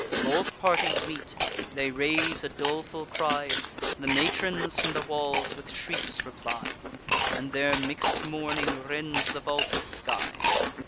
Both parties meet: they raise a doleful cry; The matrons from the walls with shrieks reply, And their mix'd mourning rends the vaulted sky.